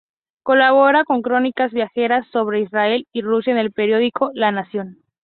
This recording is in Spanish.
Colabora con crónicas viajeras sobre Israel y Rusia en el periódico "La Nación.